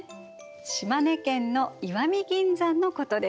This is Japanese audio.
島根県の石見銀山のことです。